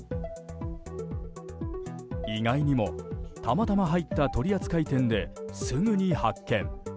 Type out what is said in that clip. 意外にもたまたま入った取扱店ですぐに発見。